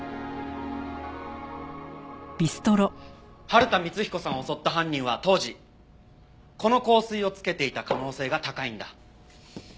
春田光彦さんを襲った犯人は当時この香水をつけていた可能性が高いんだ。